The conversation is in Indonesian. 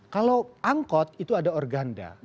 kalau angkot itu ada organda